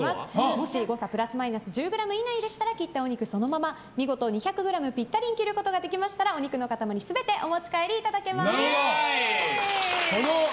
もし誤差プラスマイナス１０ｇ以内であれば切ったお肉をそのまま見事２００ｇピッタリに切ることができましたらお肉の塊全てお持ち帰りいただけます。